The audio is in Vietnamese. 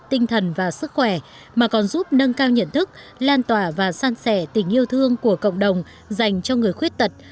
tinh thần và sức khỏe mà còn giúp nâng cao nhận thức lan tỏa và san sẻ tình yêu thương của cộng đồng dành cho người khuyết tật